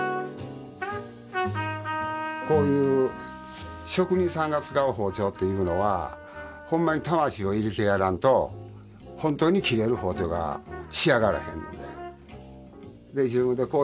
こういう職人さんが使う包丁っていうのはほんまに魂を入れてやらんと本当に切れる包丁が仕上がらへんので。